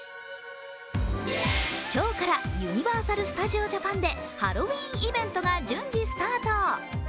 今日からユニバーサル・スタジオ・ジャパンでハロウィーンイベントが順次スタート。